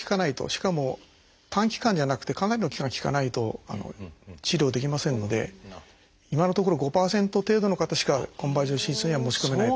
しかも短期間じゃなくてかなりの期間効かないと治療できませんので今のところ５％程度の方しかコンバージョン手術には持ち込めないと。